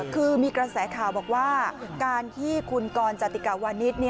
คือมีกระแสข่าวบอกว่าการที่คุณกรจติกาวานิส